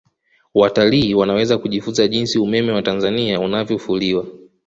watalii wanaweza kujifunza jinsi umeme wa tanzania unavyofuliwa